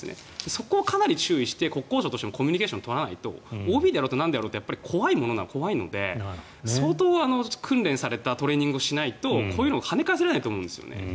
そこをかなり注意して国交省としてもコミュニケーションを取らないとＯＢであれ怖いので相当訓練されたトレーニングをしないとこういうのを跳ね返せないと思うんですよね。